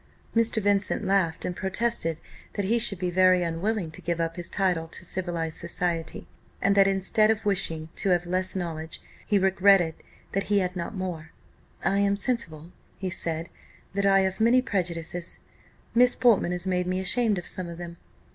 Mr. Vincent laughed, and protested that he should be very unwilling to give up his title to civilized society; and that, instead of wishing to have less knowledge, he regretted that he had not more. "I am sensible," said he, "that I have many prejudices; Miss Portman has made me ashamed of some of them."